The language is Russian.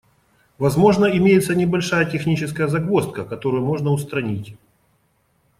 Возможно, имеется небольшая техническая загвоздка, которую можно устранить.